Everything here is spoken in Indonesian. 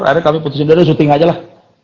akhirnya kami putus cendera syuting aja lah